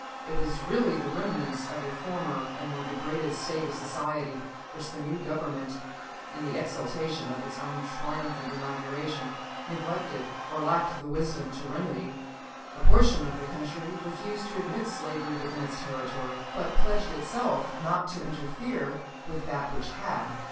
It was really the remains of a former and more degraded state of society which the new government, in the exultation of its own triumphant inauguration, neglected or lacked the wisdom to remedy. A portion of the country refused to admit slavery within its territory, but pledged itself not to interfere with that which had.